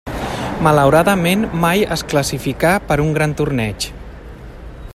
Malauradament mai es classificà per un gran torneig.